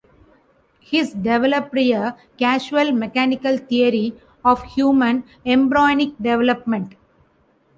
His developed a "causal-mechanical theory" of human embryonic development.